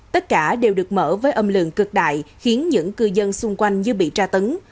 tất cả đều được mở với âm lượng cực đại khiến những cư dân xung quanh như bị tra tấn